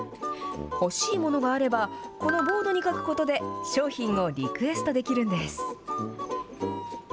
欲しいものがあれば、このボードに書くことで、商品をリクエストできるんです。